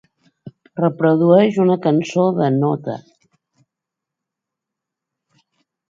Reprodueix una cançó de Nóta